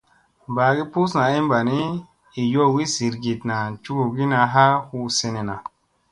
Bagi pussa ay bani i yowgi zirgiɗna cugugina ha hu senena.